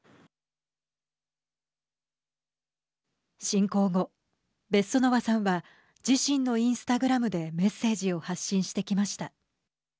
侵攻後、ベッソノワさんは自身のインスタグラムでメッセージを発信してきました。